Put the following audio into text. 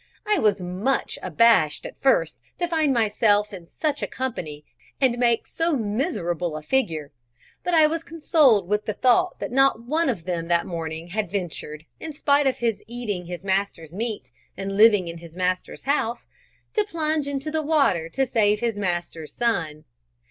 I was much abashed at first to find myself in such a company and make so miserable a figure; but I was consoled with the thought that not one of them that morning had ventured, in spite of his eating his master's meat and living in his master's house, to plunge into the water to save his master's son.